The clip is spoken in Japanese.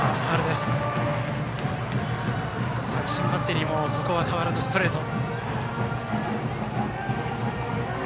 作新バッテリーもここは変わらず、ストレート。